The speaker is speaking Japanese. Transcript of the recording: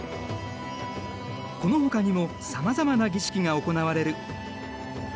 このほかにもさまざまな儀式が行われる。